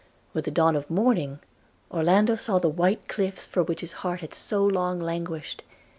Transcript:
With the dawn of morning Orlando saw the white cliffs for which his heart had so long languished.